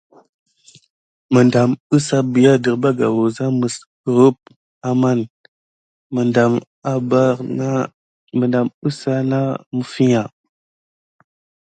Medam əza bià derbaka wuza kurump amanz medam a bar na mifiya.